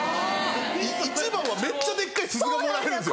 １番はめっちゃデッカい鈴がもらえるんです。